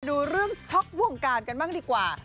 ดูเรื่องช็อกวงการกันบ้างดีกว่า